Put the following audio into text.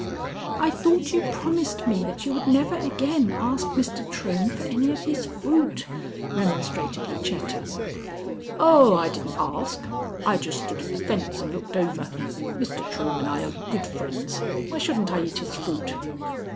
"I thought you promised me that you would never again ask Mr. Trohm for any of his fruit," remonstrated Lucetta. "Oh, I didn't ask! I just stood at the fence and looked over. Mr. Trohm and I are good friends. Why shouldn't I eat his fruit?"